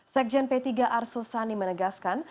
sekjen p tiga arsul sani menegaskan